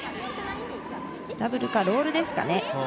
ダブルかロールですかね。